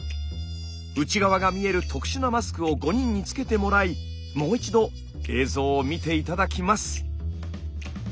内側が見える特殊なマスクを５人につけてもらいもう一度映像を見て頂きます。